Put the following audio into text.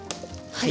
はい。